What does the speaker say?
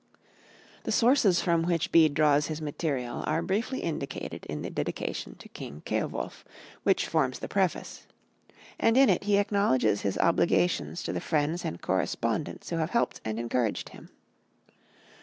The sources from which Bede draws his material are briefly indicated in the dedication to King Ceolwulf which forms the Preface, and in it he acknowledges his obligations to the friends and correspondents who have helped and encouraged him.